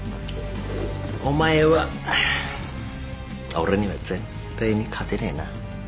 お前は俺には絶対に勝てねえな。